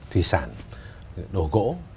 thủy sản đồ gỗ